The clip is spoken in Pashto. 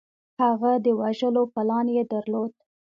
هغه د وژلو پلان یې درلود